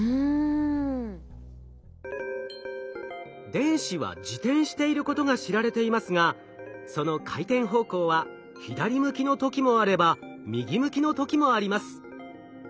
電子は自転していることが知られていますがその回転方向は左向きの時もあれば右向きの時もあります。